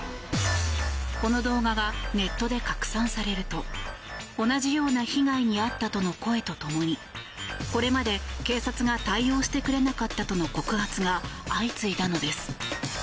この動画がネットで拡散されると同じような被害に遭ったとの声と共にこれまで警察が対応してくれなかったとの告発が相次いだのです。